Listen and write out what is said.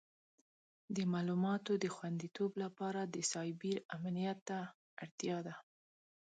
د معلوماتو د خوندیتوب لپاره د سایبر امنیت اړتیا ده.